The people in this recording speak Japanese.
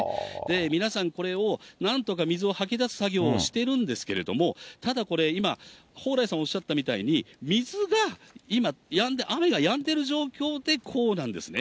皆さんこれをなんとか水をはき出す作業をしているんですけれども、ただこれ、今、蓬莱さんおっしゃったみたいに、水が今、やんで、雨がやんでる状況で、こうなんですね。